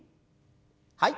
はい。